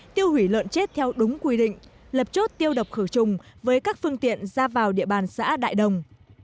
tiêu hủy lợn chết theo đúng quy định lập chốt tiêu độc khử trùng với các phương tiện ra vào địa bàn xã đại đồng